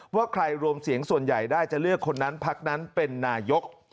ว่าใครรวมเสียงส่วนใหญ่ได้จะเลือกคนนั้นพักนั้นเป็นนายก